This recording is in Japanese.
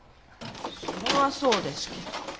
それはそうですけど。